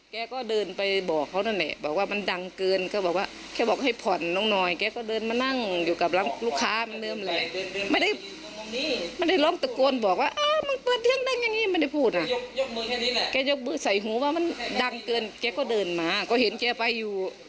แกยกมือใส่หูว่ามันดังเกินแกก็เดินมาก็เห็นแกไปอยู่